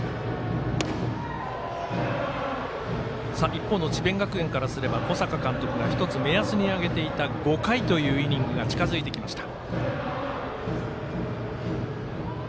一方の智弁学園からすれば小坂監督が１つ目安に挙げていた５回というイニングが近づいてきました。